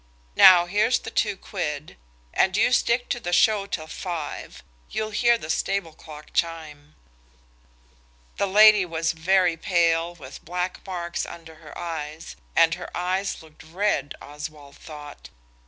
Now, here's the two quid. And you stick to the show till five; you'll hear the stable clock chime." The lady was very pale with black marks under her eyes, and her eyes looked red, Oswald thought.